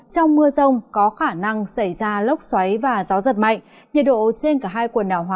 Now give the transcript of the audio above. trong mưa rông có khả năng xảy ra lốc xét và gió giật mạnh